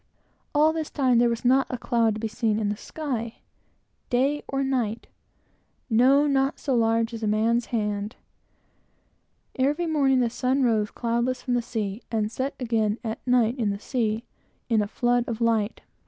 All this time there was not a cloud to be seen in the sky, day or night; no, not so large as a man's hand. Every morning the sun rose cloudless from the sea, and set again at night, in the sea, in a flood of light.